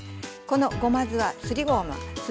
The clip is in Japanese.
このごま酢はすりごま